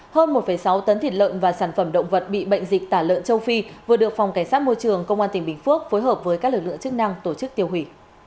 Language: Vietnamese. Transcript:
hơn một sáu tấn thịt lợn và sản phẩm động vật bị bệnh dịch tả lợn châu phi vừa được phòng cảnh sát môi trường công an tỉnh bình phước phối hợp với các lực lượng chức năng tổ chức tiêu hủy